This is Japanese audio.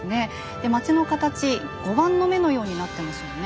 で町の形碁盤の目のようになってますよね。